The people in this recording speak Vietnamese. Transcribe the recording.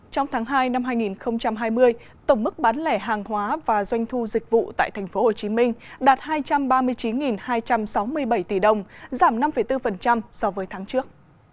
trong tháng hai năm hai nghìn hai mươi tổng mức bán lẻ hàng hóa và doanh thu dịch vụ tại tp hcm đạt hai trăm ba mươi chín hai trăm sáu mươi bảy tỷ đồng giảm năm bốn so với tháng trước